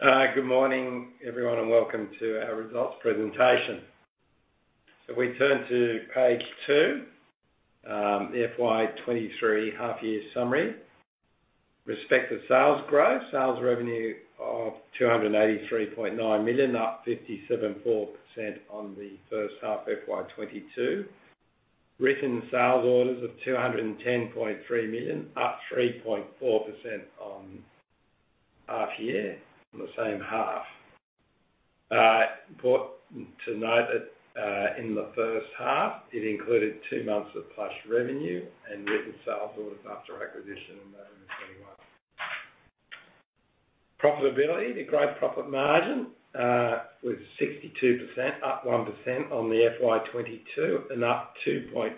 Good morning, everyone, welcome to our results presentation. If we turn to page two, FY 2023 half year summary. Respective sales growth. Sales revenue of 283.9 million, up 57.4% on the first half FY 2022. Written sales orders of 210.3 million, up 3.4% on half year in the same half. Important to note that in the first half, it included two months of Plush revenue and written sales orders after acquisition in November 2021. Profitability. The growth profit margin was 62%, up 1% on the FY 2022, and up 2.5%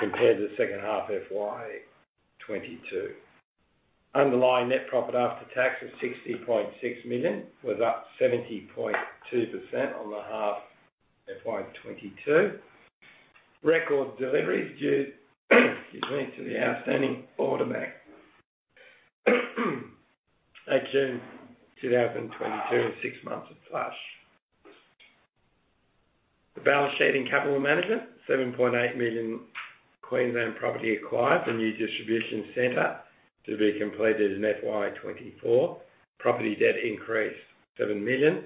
compared to the second half FY 2022. Underlying net profit after tax of 60.6 million was up 70.2% on the half FY 2022. Record deliveries due excuse me, to the outstanding order bank at June 2022 and six months of Plush. The balance sheet and capital management. 7.8 million Queensland property acquired, the new distribution center to be completed in FY 2024. Property debt increased 7 million.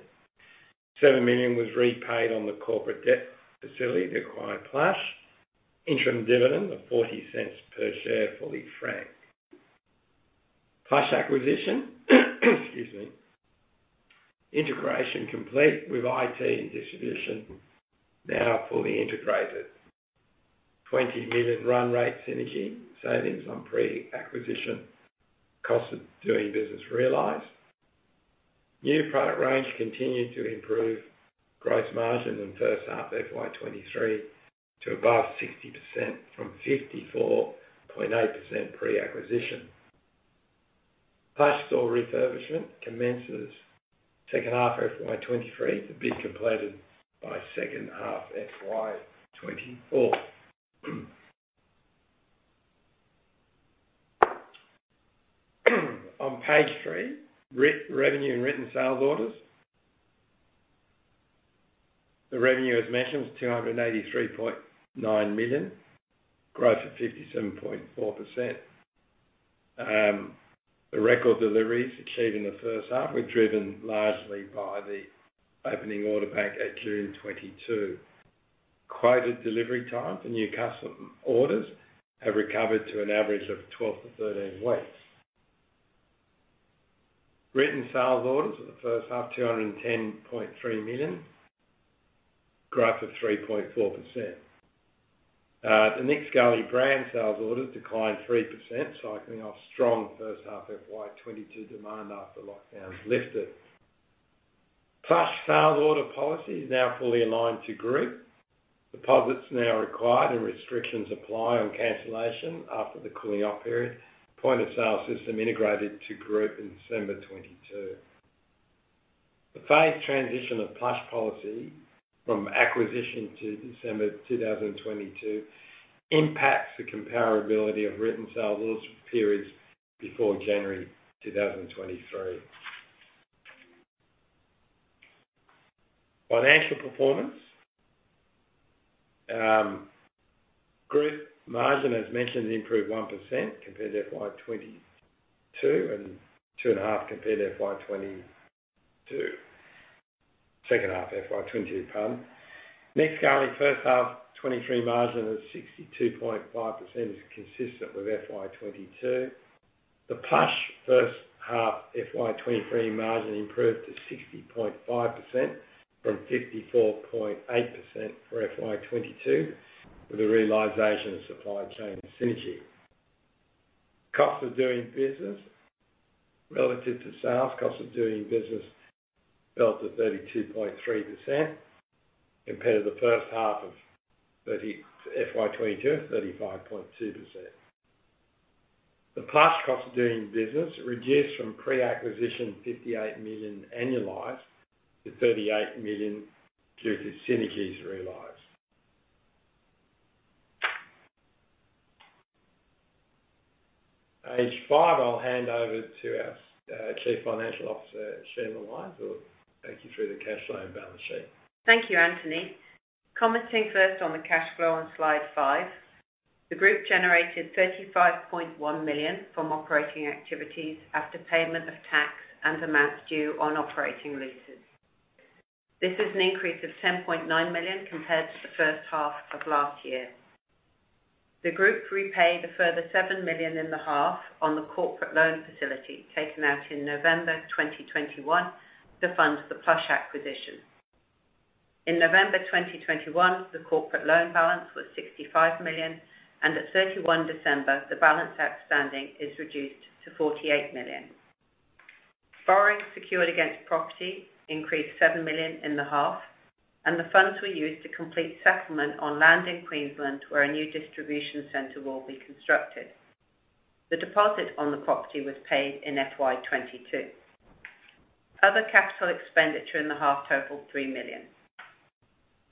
7 million was repaid on the corporate debt facility to acquire Plush. Interim dividend of 0.40 per share, fully franked. Plush acquisition excuse me. Integration complete with IT and distribution now fully integrated. 20 million run rate synergy savings on pre-acquisition costs of doing business realized. New product range continued to improve gross margin in first half FY 2023 to above 60% from 54.8% pre-acquisition. Plush store refurbishment commences second half FY 2023, to be completed by second half FY 2024. On page three, re-revenue and written sales orders. The revenue, as mentioned, was 283.9 million, growth of 57.4%. The record deliveries achieved in the first half were driven largely by the opening order bank at June 2022. Quoted delivery time for new custom orders have recovered to an average of 12 to 13 weeks. Written sales orders for the first half, 210.3 million, growth of 3.4%. The Nick Scali brand sales orders declined 3%, cycling off strong first half FY 2022 demand after lockdown lifted. Plush sales order policy is now fully aligned to group. Deposits now required and restrictions apply on cancellation after the cooling-off period. Point of sale system integrated to group in December 2022. The phased transition of Plush policy from acquisition to December 2022 impacts the comparability of written sales orders for periods before January 2023. Financial performance. Group margin, as mentioned, improved 1% compared to FY 2022, and 2.5% compared to FY 2022. Second half FY 2022, pardon. Nick Scali first half FY 2023 margin of 62.5% is consistent with FY 2022. The Plush first half FY 2023 margin improved to 60.5% from 54.8% for FY 2022, with the realization of supply chain synergy. CODB. Relative to sales, CODB fell to 32.3% compared to the first half of FY 2022, 35.2%. The Plush CODB reduced from pre-acquisition $58 million annualized to $38 million due to synergies realized. Page five, I'll hand over to our Chief Financial Officer, Sheila Lines, who will take you through the cash flow and balance sheet. Thank you, Anthony. Commenting first on the cash flow on slide five. The group generated 35.1 million from operating activities after payment of tax and amounts due on operating leases. This is an increase of 10.9 million compared to the first half of last year. The group repaid a further 7 million in the half on the corporate loan facility taken out in November 2021 to fund the Plush acquisition. In November 2021, the corporate loan balance was 65 million, and at December 31, the balance outstanding is reduced to 48 million. Borrowing secured against property increased 7 million in the half, and the funds were used to complete settlement on land in Queensland, where a new distribution center will be constructed. The deposit on the property was paid in FY 2022. Other capital expenditure in the half totaled 3 million.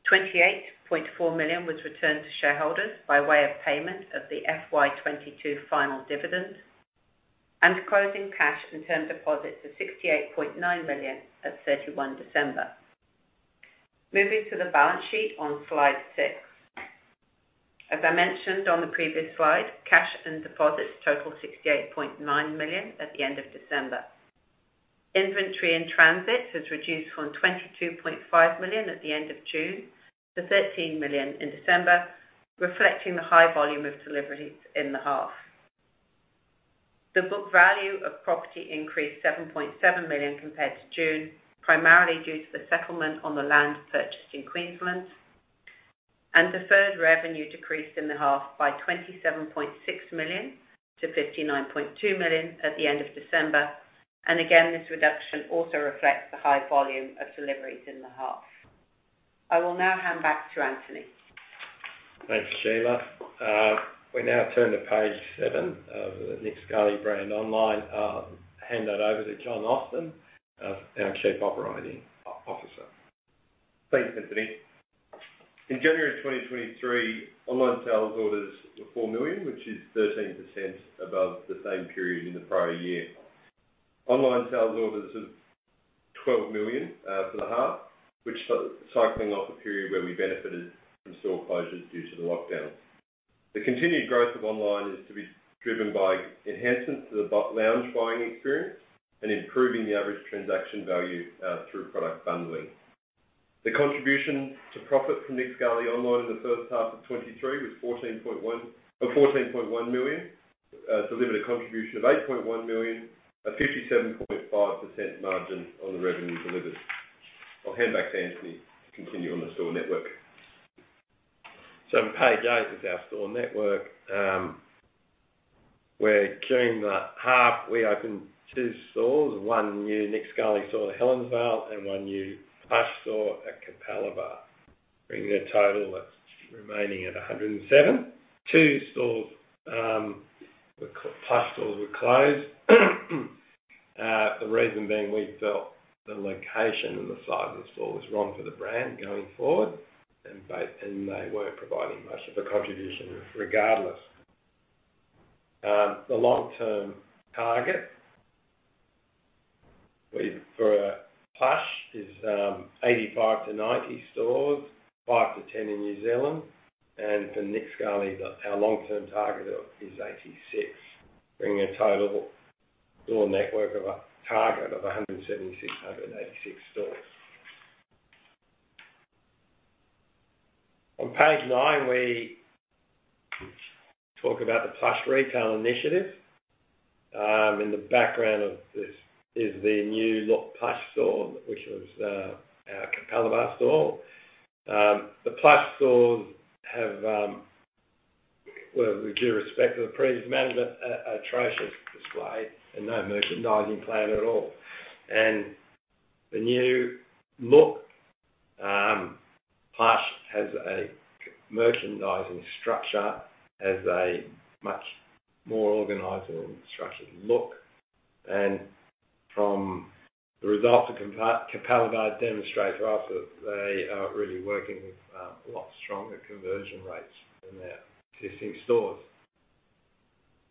28.4 million was returned to shareholders by way of payment of the FY 2022 final dividend. Closing cash in term deposits of 68.9 million at 31 December. Moving to the balance sheet on slide six. As I mentioned on the previous slide, cash and deposits total 68.9 million at the end of December. Inventory in transit has reduced from 22.5 million at the end of June to 13 million in December, reflecting the high volume of deliveries in the half. The book value of property increased 7.7 million compared to June, primarily due to the settlement on the land purchased in Queensland. Deferred revenue decreased in the half by 27.6 million to 59.2 million at the end of December. Again, this reduction also reflects the high volume of deliveries in the half. I will now hand back to Anthony. Thanks, Sheila. We now turn to page seven of the Nick Scali Brand Online. I'll hand that over to Angus McDonald, our Chief Operating Officer. Thanks, Anthony. In January 2023, online sales orders were 4 million, which is 13% above the same period in the prior year. Online sales orders of 12 million for the half, which cycling off a period where we benefited from store closures due to the lockdowns. The continued growth of online is to be driven by enhancements to the lounge buying experience and improving the average transaction value through product bundling. The contribution to profit from Nick Scali online in the first half of 2023 was 14.1 million, delivered a contribution of 8.1 million, a 57.5% margin on the revenue delivered. I'll hand back to Anthony to continue on the store network. On page eight is our store network. Where during the half we opened two stores, one new Nick Scali store at Helensvale and one new Plush store at Capalaba, bringing a total that's remaining at 107. 2 stores, Plush stores were closed. The reason being we felt the location and the size of the store was wrong for the brand going forward, and they weren't providing much of a contribution regardless. The long-term target for Plush is 85 to 90 stores, 5 to 10 in New Zealand. For Nick Scali, our long-term target of is 86, bringing a total store network of a target of 176, 186 stores. On page nine, we talk about the Plush retail initiative. In the background of this is the new look Plush store, which was our Capalaba store. The Plush stores have, well, with due respect to the previous manager, a atrocious display and no merchandising plan at all. The new look Plush has a merchandising structure, has a much more organized and structured look. From the results of Capalaba demonstrate to us that they are really working with a lot stronger conversion rates than their existing stores.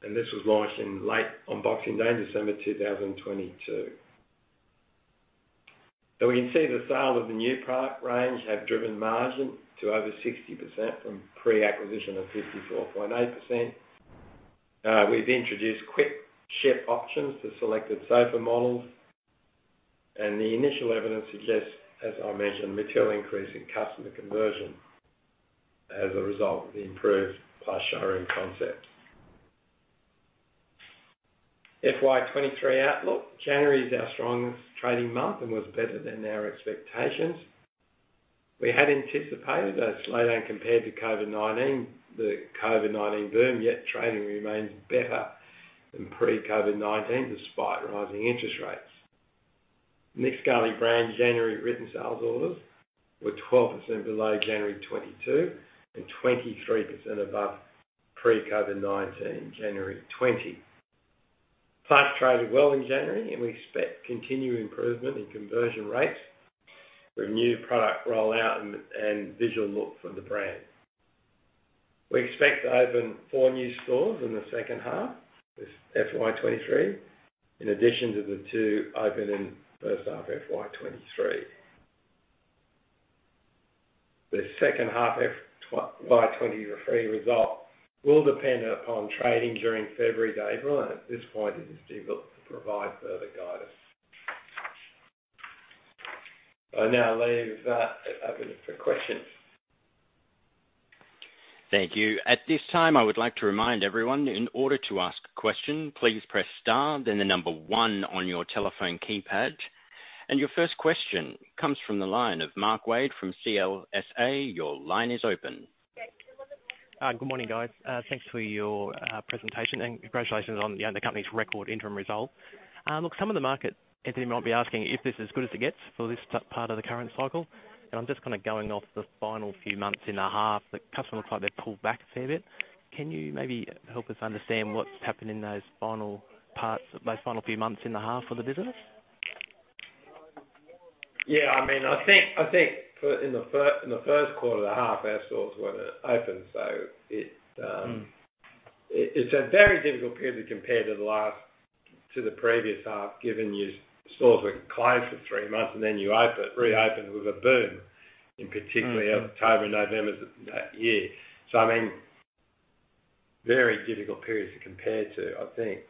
This was launched in late on Boxing Day, December 2022. We can see the sale of the new product range have driven margin to over 60% from pre-acquisition of 54.8%. We've introduced Quick Ship options to selected sofa models, and the initial evidence suggests, as I mentioned, material increase in customer conversion as a result of the improved Plush showroom concept. FY 2023 outlook. January is our strongest trading month and was better than our expectations. We had anticipated a slowdown compared to COVID-19, the COVID-19 boom, yet trading remains better than pre-COVID-19 despite rising interest rates. Nick Scali brand January written sales orders were 12% below January 2022 and 23% above pre-COVID-19 January 2020. Plush traded well in January, and we expect continued improvement in conversion rates with new product rollout and visual look for the brand. We expect to open four new stores in the second half of FY 2023, in addition to the two opened in first half FY 2023. The second half FY 2023 result will depend upon trading during February to April, and at this point it is difficult to provide further guidance. I now leave open for questions. Thank you. At this time, I would like to remind everyone in order to ask a question, please press star then 1 on your telephone keypad. Your first question comes from the line of Mark Wade from CLSA. Your line is open. Good morning, guys. Thanks for your presentation, and congratulations on the company's record interim result. Look, some of the market, Anthony, might be asking if this is as good as it gets for this part of the current cycle. I'm just kinda going off the final few months in the half. The customer side, they pulled back a fair bit. Can you maybe help us understand what's happened in those final parts, those final few months in the half for the business? I mean, I think for, in the first quarter, the half our stores weren't open, so it's a very difficult period to compare to the previous half, given your stores were closed for three months, and then you open, reopen with a boom in particularly October, November that year. I mean, very difficult periods to compare to, I think.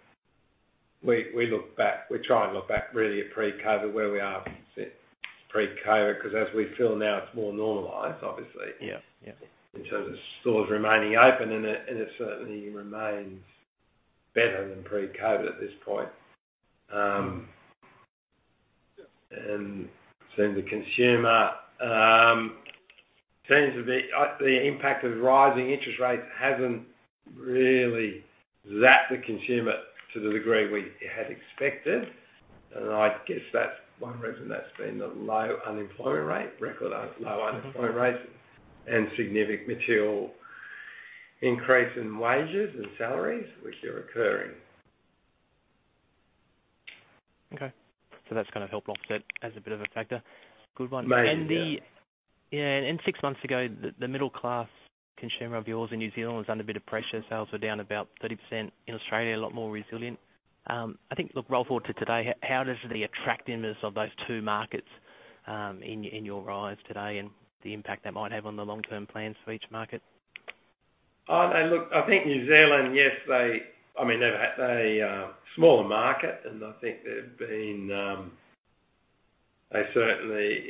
We look back, we try and look back really at pre-COVID where we are pre-COVID, because as we feel now it's more normalized, obviously. Yeah. Yep. In terms of stores remaining open, it certainly remains better than pre-COVID at this point. It seems the consumer seems to be the impact of rising interest rates hasn't really lapped the consumer to the degree we had expected. I guess that's one reason that's been the low unemployment rate, record low unemployment rates and significant material increase in wages and salaries which are occurring. Okay. That's going to help offset as a bit of a factor. Good one. Maybe, yeah. Six months ago, the middle class consumer of yours in New Zealand was under a bit of pressure. Sales were down about 30% in Australia, a lot more resilient. I think, look, roll forward to today, how does the attractiveness of those two markets, in your eyes today and the impact that might have on the long-term plans for each market? Oh, no, look, I think New Zealand, yes, they, I mean, they've had, they smaller market. I think they've been, they certainly,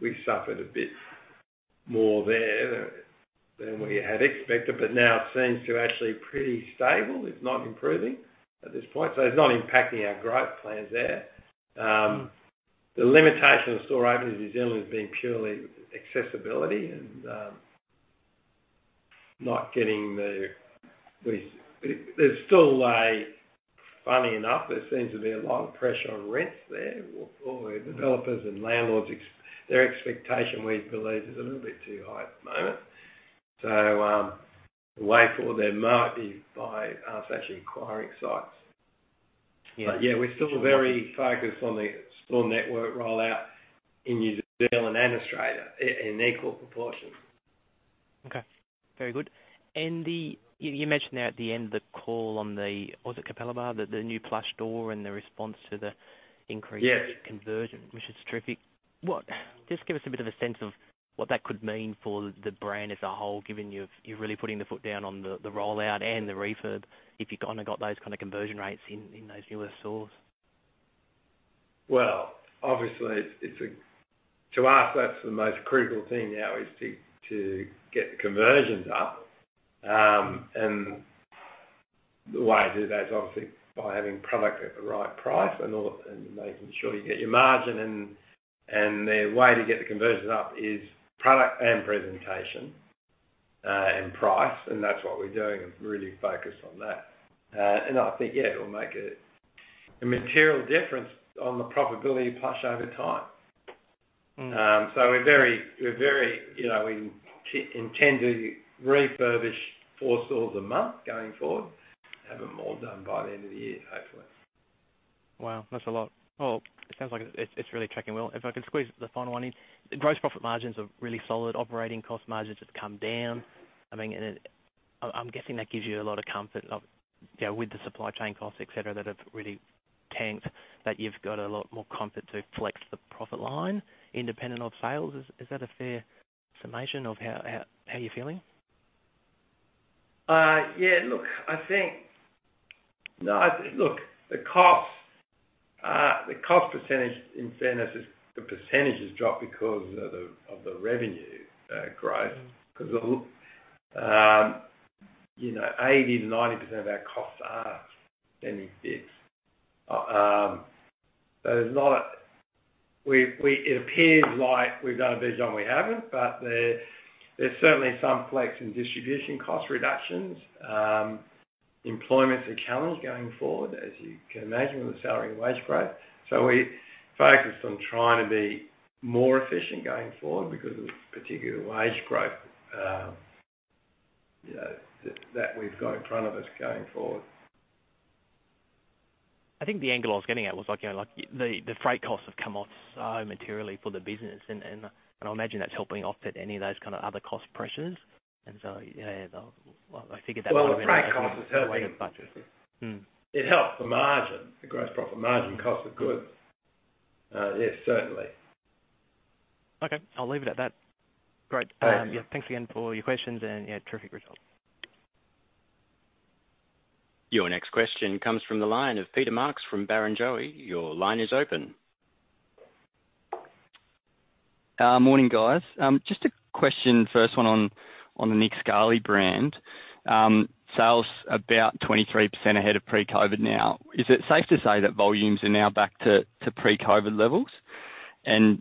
we suffered a bit more there than we had expected. Now it seems to actually pretty stable. It's not improving at this point. It's not impacting our growth plans there. The limitation of store opening in New Zealand has been purely accessibility and not getting the. There's still a, funny enough, there seems to be a lot of pressure on rents there or developers and landlords their expectation we believe is a little bit too high at the moment. The way forward there might be by us actually acquiring sites. Yeah. yeah, we're still very focused on the store network rollout in New Zealand and Australia in equal proportion. Okay. Very good. You mentioned there at the end of the call on the, was it Capalaba? The new Plush store and the response to the increased- Yes. conversion, which is terrific. What, just give us a bit of a sense of what that could mean for the brand as a whole, given you've, you're really putting the foot down on the rollout and the refurb, if you kinda got those kinda conversion rates in those newer stores. Obviously it's a, to us, that's the most critical thing now is to get the conversions up. The way to do that is obviously by having product at the right price and all, and making sure you get your margin and the way to get the conversions up is product and presentation and price, and that's what we're doing and really focused on that. I think it'll make a material difference on the profitability Plush over time. Mm. We're very, you know, we intend to refurbish four stores a month going forward. Have them all done by the end of the year, hopefully. Wow, that's a lot. Well, it sounds like it's really tracking well. If I could squeeze the final one in. Gross profit margins are really solid. Operating cost margins have come down. I mean, I'm guessing that gives you a lot of comfort of, you know, with the supply chain costs, et cetera, that have really tanked, that you've got a lot more comfort to flex the profit line independent of sales. Is that a fair summation of how you're feeling? Yeah, look, I think, look, the costs, the cost percentage in fairness is the percentage has dropped because of the, of the revenue, growth... Mm. Cause, you know, 80%-90% of our costs are spending fixed. It appears like we've done a billion, we haven't. There's certainly some flex in distribution cost reductions. Employment's a challenge going forward, as you can imagine with the salary and wage growth. We're focused on trying to be more efficient going forward because of the particular wage growth, you know, that we've got in front of us going forward. I think the angle I was getting at was like, you know, the freight costs have come off so materially for the business and I imagine that's helping offset any of those kind of other cost pressures. You know, I figured that might have been. Well, the freight costs have helped it. Mm. It helped the margin, the gross profit margin cost of goods. Yes, certainly. Okay. I'll leave it at that. Great. Thank you. Yeah, thanks again for your questions and, yeah, terrific results. Your next question comes from the line of Peter Marks from Barrenjoey. Your line is open. Morning, guys. Just a question, first one on the Nick Scali brand. Sales about 23% ahead of pre-COVID now. Is it safe to say that volumes are now back to pre-COVID levels and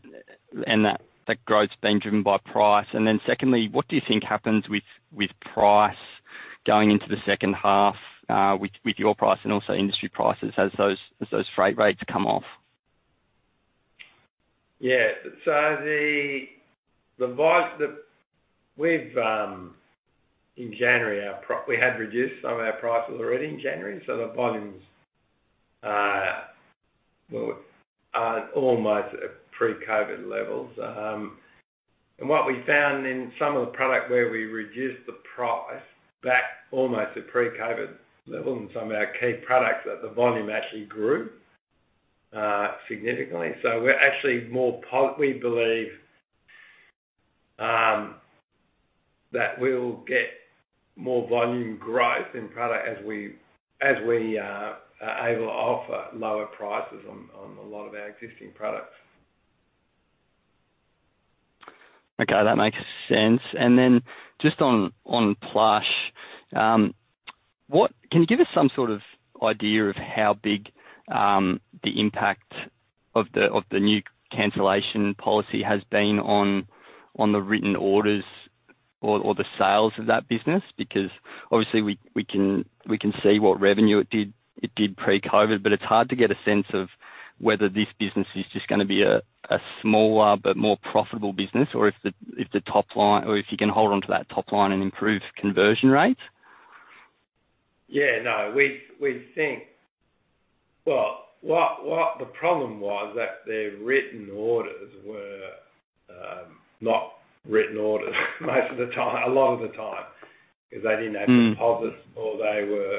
that growth's been driven by price? Secondly, what do you think happens with price going into the second half, with your price and also industry prices as those freight rates come off? We had reduced some of our prices already in January, so the volumes, well, are almost at pre-COVID levels. What we found in some of the product where we reduced the price back almost to pre-COVID levels in some of our key products, that the volume actually grew significantly. We're actually we believe that we'll get more volume growth in product as we are able to offer lower prices on a lot of our existing products. Okay, that makes sense. Just on Plush, can you give us some sort of idea of how big the impact of the new cancellation policy has been on the written orders or the sales of that business? Obviously we can, we can see what revenue it did pre-COVID, but it's hard to get a sense of whether this business is just gonna be a smaller but more profitable business or if the top line or if you can hold on to that top line and improve conversion rates. Yeah, no. Well, what the problem was that their written orders were not written orders most of the time, a lot of the time, 'cause they didn't have. Mm. deposits or they were.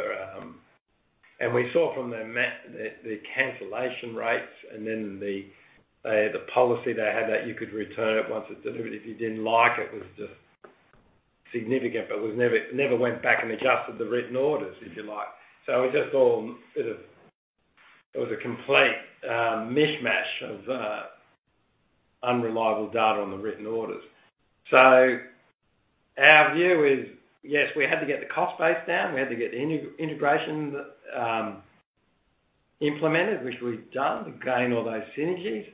We saw from the cancellation rates and then the policy they had that you could return it once it's delivered, if you didn't like it, was just significant, but was never went back and adjusted the written orders, if you like. It just all sort of. It was a complete mishmash of unreliable data on the written orders. Our view is, yes, we had to get the cost base down. We had to get the integration implemented, which we've done to gain all those synergies.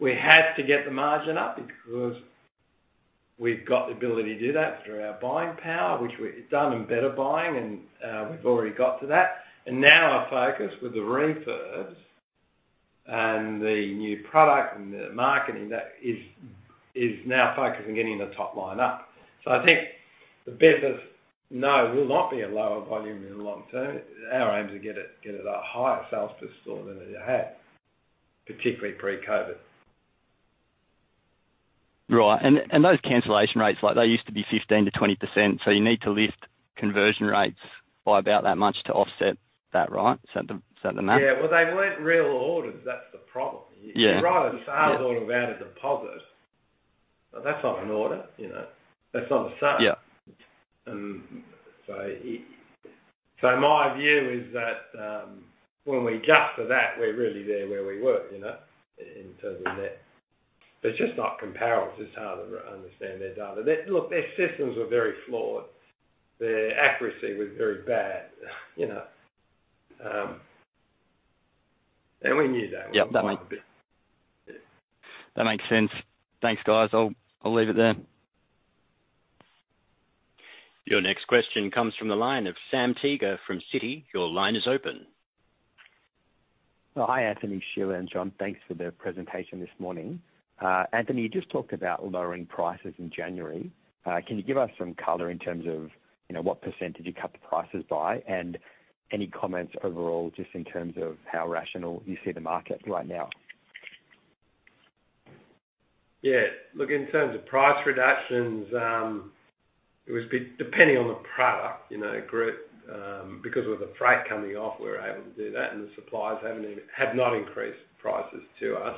We had to get the margin up because we've got the ability to do that through our buying power, which we've done in better buying and we've already got to that. Now our focus with the refurbs and the new product and the marketing that is now focused on getting the top line up. I think the business, no, will not be a lower volume in the long term. Our aim is to get it at higher sales per store than it had, particularly pre-COVID. Right. Those cancellation rates, like, they used to be 15%-20%, so you need to lift conversion rates by about that much to offset that, right? Is that the math? Yeah. Well, they weren't real orders. That's the problem. Yeah. If you write a sales order without a deposit, that's not an order, you know? That's not a sale. Yeah. My view is that, when we adjust for that, we're really there where we were, you know, in terms of net. They're just not comparable, so it's hard to understand their data. Look, their systems were very flawed. Their accuracy was very bad, you know. We knew that. Yeah. That. From point of view. Yeah. That makes sense. Thanks, guys. I'll leave it there. Your next question comes from the line of Sam Teeger from Citi. Your line is open. Hi, Anthony, Sheila, and John. Thanks for the presentation this morning. Anthony, you just talked about lowering prices in January. Can you give us some color in terms of, you know, what percentage you cut the prices by, and any comments overall, just in terms of how rational you see the market right now? Look, in terms of price reductions, it was depending on the product, you know, group, because with the freight coming off, we were able to do that, and the suppliers had not increased prices to us.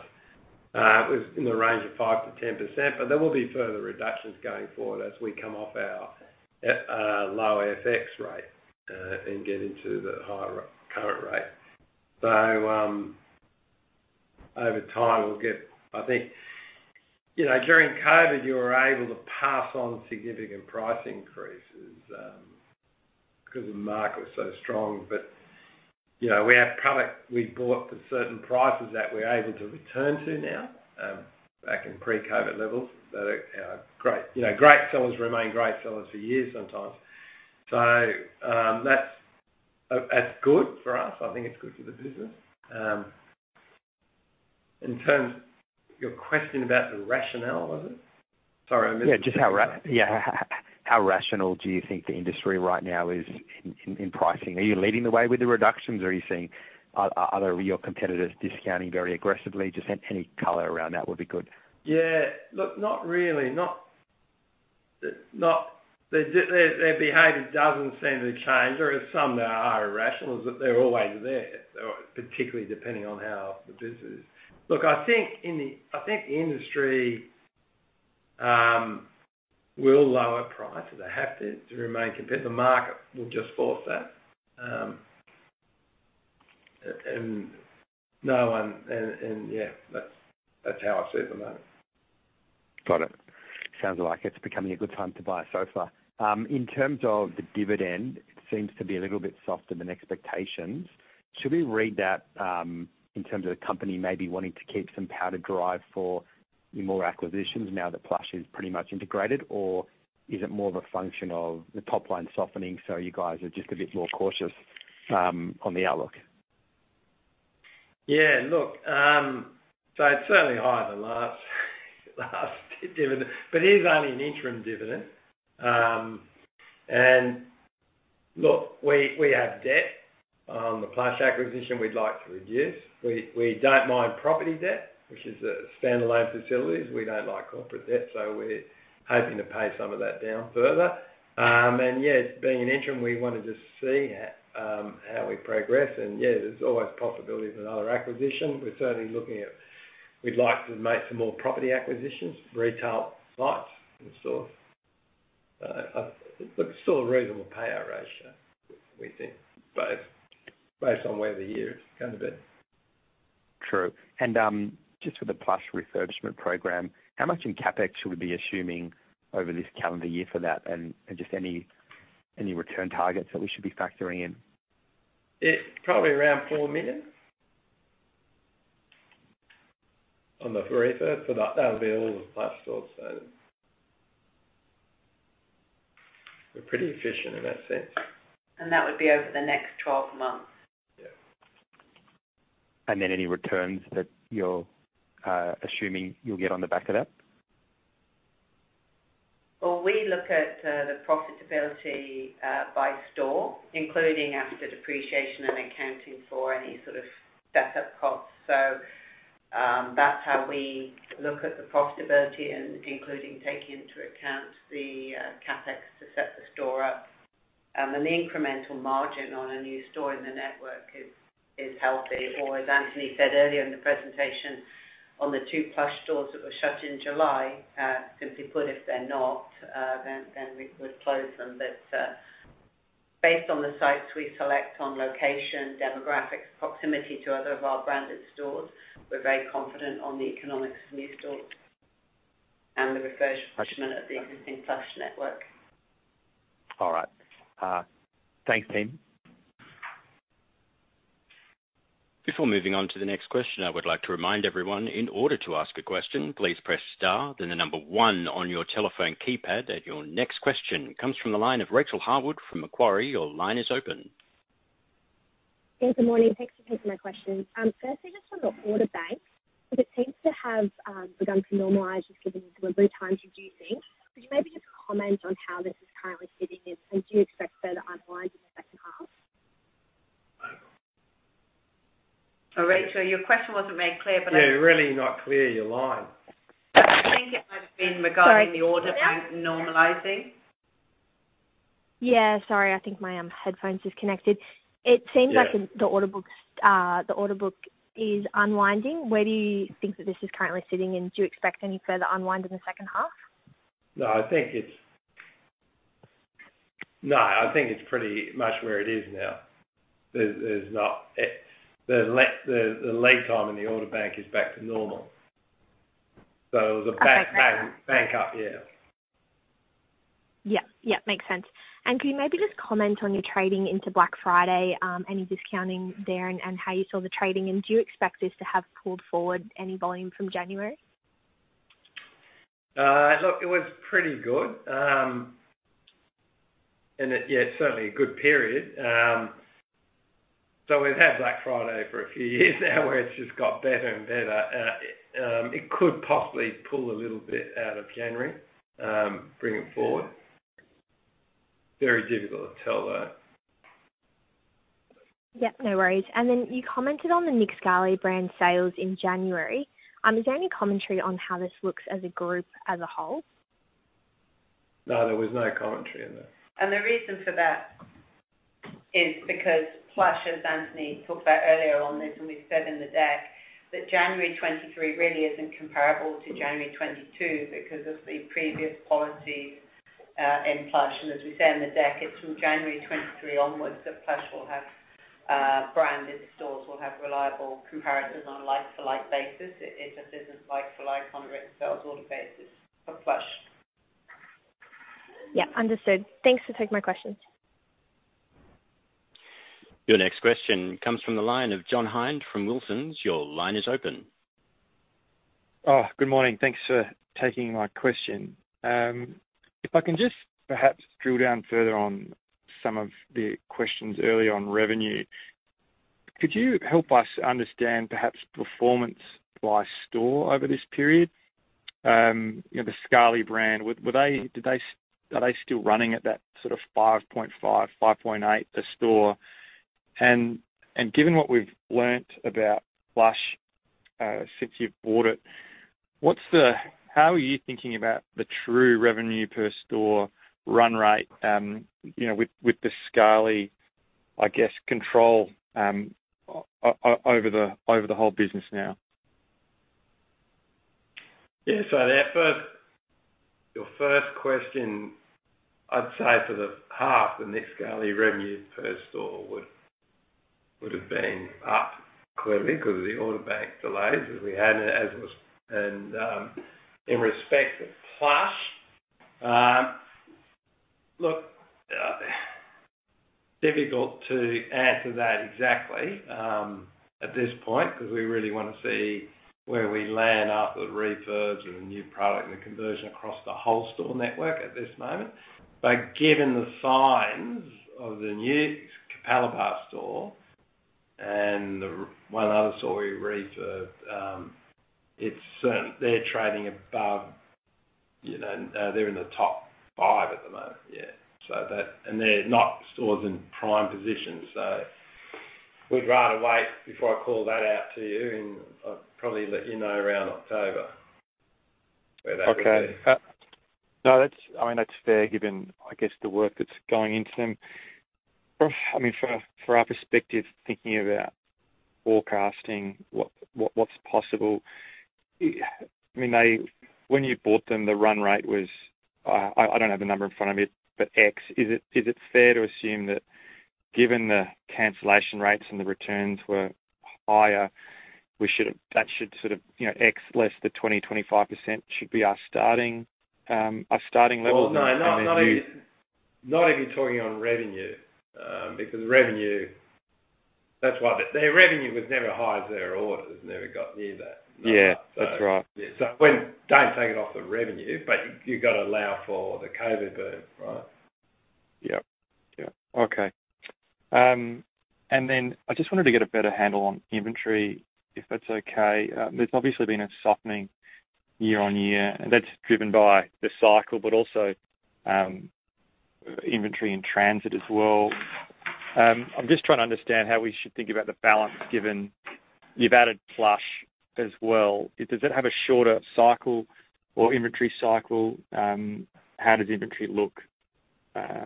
It was in the range of 5%-10%, but there will be further reductions going forward as we come off our low FX rate and get into the higher current rate. Over time, we'll get. I think, you know, during COVID, you were able to pass on significant price increases, 'cause the market was so strong. You know, we have product we bought for certain prices that we're able to return to now, back in pre-COVID levels that are great. You know, great sellers remain great sellers for years sometimes. That's good for us. I think it's good for the business. Your question about the rationale, was it? Sorry, I missed the first part. Yeah, just how rational do you think the industry right now is in pricing? Are you leading the way with the reductions or are you seeing other of your competitors discounting very aggressively? Just any color around that would be good. Yeah. Look, not really. Not... Their behavior doesn't seem to change. There are some that are irrational, but they're always there, particularly depending on how the business... Look, I think the industry will lower prices. They have to remain competitive. The market will just force that. And yeah, that's how I see it at the moment. Got it. Sounds like it's becoming a good time to buy a sofa. In terms of the dividend, it seems to be a little bit softer than expectations. Should we read that, in terms of the company maybe wanting to keep some powder dry for more acquisitions now that Plush is pretty much integrated, or is it more of a function of the top line softening so you guys are just a bit more cautious on the outlook? Yeah. Look, so it's certainly higher than last dividend, but it is only an interim dividend. Look, we have debt on the Plush acquisition we'd like to reduce. We, we don't mind property debt, which is the standalone facilities. We don't like corporate debt, so we're hoping to pay some of that down further. Yeah, being an interim, we wanna just see how we progress. Yeah, there's always possibility of another acquisition. We'd like to make some more property acquisitions, retail sites and stores. Still a reasonable payout ratio, we think, but based on where the year is gonna be. True. just for the Plush refurbishment program, how much in CapEx should we be assuming over this calendar year for that and just any return targets that we should be factoring in? It's probably around AUD 4 million on the refit for that would be all the Plush stores. We're pretty efficient in that sense. That would be over the next 12 months. Yeah. Any returns that you're assuming you'll get on the back of that? We look at the profitability by store, including after depreciation and accounting for any sort of setup costs. That's how we look at the profitability and including taking into account the CapEx to set the store up. The incremental margin on a new store in the network is healthy. As Anthony said earlier in the presentation, on the two Plush stores that were shut in July, simply put, if they're not, then we would close them. Based on the sites we select on location, demographics, proximity to other of our branded stores, we're very confident on the economics of new stores and the refurbishment of the existing Plush network. All right. Thanks, team. Before moving on to the next question, I would like to remind everyone in order to ask a question, please press star, then the number one on your telephone keypad. Your next question comes from the line of Rachael Harwood from Macquarie. Your line is open. Good morning. Thanks for taking my question. Firstly, just on the order bank, if it seems to have begun to normalize just given the lead times reducing, could you maybe just comment on how this is currently sitting in, and do you expect further unwind in the second half? Oh, Rachael, your question wasn't made clear. Yeah, you're really not clear, your line. I think it might have been regarding- Sorry. Yeah.... the order bank normalizing. Yeah. Sorry. I think my headphones disconnected. Yeah. It seems like the order book is unwinding. Where do you think that this is currently sitting, and do you expect any further unwind in the second half? No, I think it's pretty much where it is now. The lead time in the order bank is back to normal. The back up, yeah. Yeah. Yeah. Makes sense. Can you maybe just comment on your trading into Black Friday, any discounting there and how you saw the trading? Do you expect this to have pulled forward any volume from January? Look, it was pretty good. Yeah, it's certainly a good period. We've had Black Friday for a few years now where it's just got better and better. It could possibly pull a little bit out of January, bring it forward. Very difficult to tell though. Yep. No worries. You commented on the Nick Scali brand sales in January. Is there any commentary on how this looks as a group as a whole? No, there was no commentary on that. The reason for that is because Plush, as Anthony talked about earlier on this, and we said in the deck, that January 2023 really isn't comparable to January 2022 because of the previous policy in Plush. As we say in the deck, it's from January 2023 onwards that Plush will have branded stores will have reliable comparators on a like-for-like basis. It, it just isn't like for like on a written sales order basis for Plush. Yep. Understood. Thanks for taking my questions. Your next question comes from the line of John Hynd from Wilsons. Your line is open. Oh, good morning. Thanks for taking my question. If I can just perhaps drill down further on some of the questions early on revenue. Could you help us understand perhaps performance by store over this period? You know, the Scali brand, were they are they still running at that sort of 5.5, 5.8 per store? Given what we've learnt about Plush since you've bought it, how are you thinking about the true revenue per store run rate, you know, with the Scali, I guess, control over the whole business now? Yeah. Your first question, I'd say for the half, the Nick Scali revenue per store would have been up clearly because of the order bank delays as we had as was. In respect of Plush, difficult to answer that exactly at this point, 'cause we really wanna see where we land after the refurbs and the new product and the conversion across the whole store network at this moment. Given the signs of the new Capalaba store and the one other store we refurb, it's, they're trading above, you know, they're in the top five at the moment. They're not stores in prime positions. We'd rather wait before I call that out to you, and I'll probably let you know around October where that will be. Okay. No, that's, I mean, that's fair, given, I guess, the work that's going into them. From, I mean, for our perspective, thinking about forecasting what's possible, I mean, when you bought them, the run rate was, I don't have the number in front of me, but X. Is it fair to assume that given the cancellation rates and the returns were higher, that should sort of, you know, X less the 20%-25% should be our starting level? Well, no, not even, not if you're talking on revenue, because revenue... That's why. Their revenue was never as high as their orders, never got near that. Yeah. That's right. Yeah. Don't take it off the revenue, but you've gotta allow for the COVID boom, right? Yep. Yep. Okay. I just wanted to get a better handle on inventory, if that's okay. There's obviously been a softening year-over-year. That's driven by the cycle, but also, inventory in transit as well. I'm just trying to understand how we should think about the balance given you've added Plush as well. Does it have a shorter cycle or inventory cycle? How does inventory look? Yeah,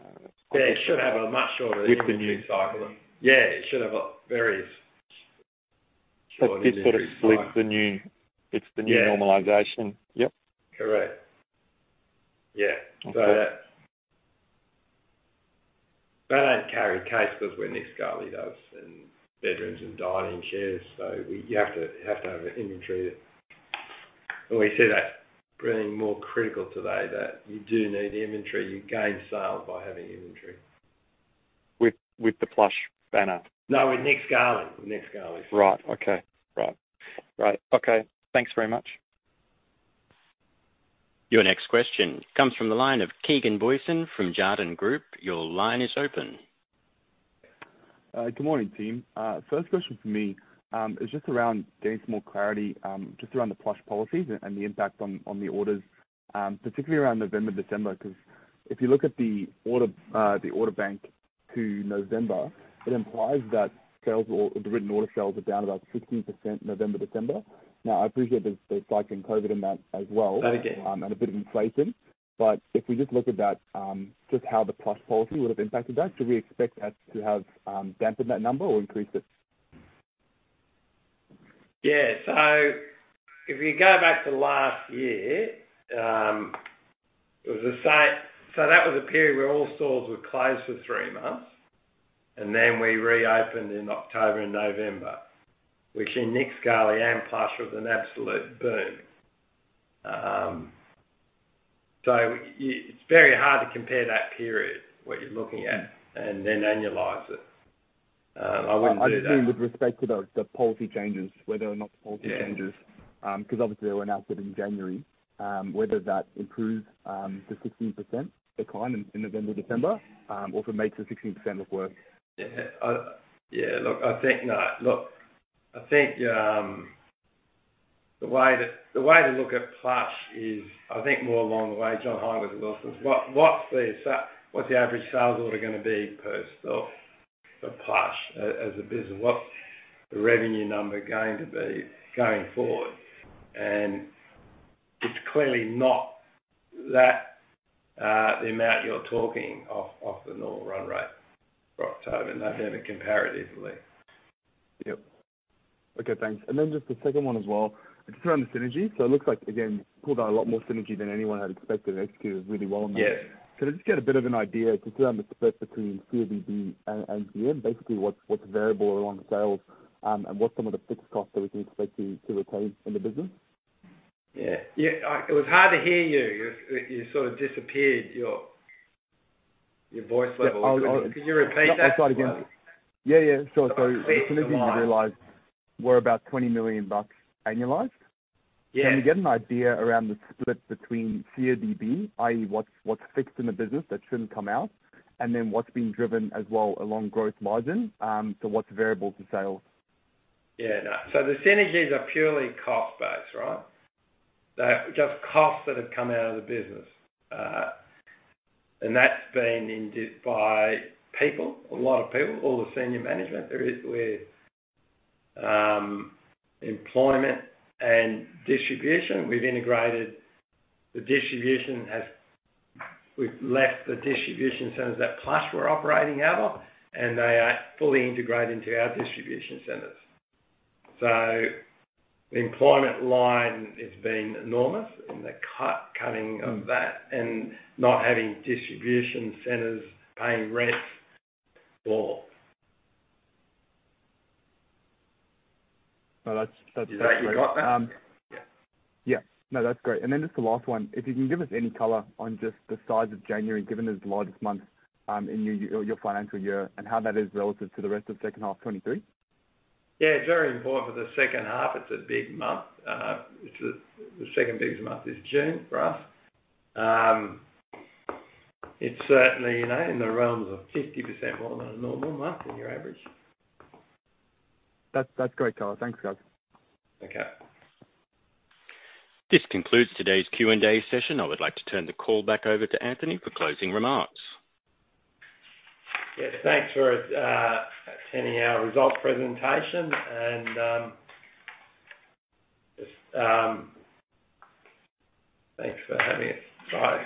it should have a much shorter- inventory cycle. Yeah. It should have a very short inventory cycle. This sort of splits It's the new. Yeah. Normalization. Yep. Correct. Yeah. Okay. That's They don't carry case goods where Nick Scali does in bedrooms and dining chairs, so you have to have an inventory. We see that being more critical today, that you do need inventory. You gain sale by having inventory. With the Plush banner? No, with Nick Scali. Right. Okay. Right. Right. Okay. Thanks very much. Your next question comes from the line of Keegan Booysen from Jarden Group. Your line is open. Good morning, team. First question from me is just around getting some more clarity just around the Plush policies and the impact on the orders, particularly around November, December. If you look at the order, the order bank to November, it implies that sales or the written order sales are down about 16% November, December. I appreciate there's cycling COVID in that as well. No, again. A bit of inflation. If we just look at that, just how the Plush policy would've impacted that, should we expect that to have, dampened that number or increased it? Yeah. If you go back to last year, it was the same. That was a period where all stores were closed for three months, and then we reopened in October and November, which in Nick Scali and Plush was an absolute boom. It's very hard to compare that period, what you're looking at, and then annualize it. I wouldn't do that. I'm thinking with respect to the policy changes, whether or not the policy changes. Yeah. 'Cause obviously they were announced it in January, whether that improved the 16% decline in November, December, or if it makes the 16% look worse. Yeah. I, yeah, look, I think, no. Look, I think, the way to look at Plush is, I think more along the way John Hynd was at Wilsons. What's the average sales order gonna be per store for Plush as a business? What's the revenue number going to be going forward? It's clearly not that, the amount you're talking off the normal run rate for October. No, they don't compare easily. Yep. Okay, thanks. Just the second one as well, just around the synergy. It looks like, again, pulled out a lot more synergy than anyone had expected and executed really well on that. Yeah. Could I just get a bit of an idea just around the split between CODB and GM? Basically what's variable along sales, and what's some of the fixed costs that we can expect to retain in the business? Yeah. Yeah, it was hard to hear you. You sort of disappeared, your voice level. Yeah. I'll. Could you repeat that? I'll start again. Yeah, yeah. I can't hear you, mate. The synergies we realized were about 20 million bucks annualized. Yeah. Can we get an idea around the split between CODB, i.e., what's fixed in the business that shouldn't come out, and then what's being driven as well along growth margin, so what's variable to sales? Yeah. No. The synergies are purely cost-based, right? They're just costs that have come out of the business. That's been indeed by people, a lot of people, all the senior management. There is with employment and distribution. We've integrated the distribution as we've left the distribution centers that Plush were operating out of, and they are fully integrated into our distribution centers. The employment line, it's been enormous in the cut-cutting of that and not having distribution centers paying rent or... No, that's. You see what I got there? Yeah. No, that's great. Just the last one. If you can give us any color on just the size of January, given it's the largest month in your financial year and how that is relative to the rest of second half 2023? Yeah. It's very important for the second half. It's a big month. It's the second biggest month is June for us. It's certainly, you know, in the realms of 50% more than a normal month in your average. That's great color. Thanks, guys. Okay. This concludes today's Q&A session. I would like to turn the call back over to Anthony for closing remarks. Yeah. Thanks for attending our results presentation and just thanks for having us. Bye.